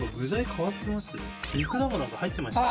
肉団子なんか入ってました？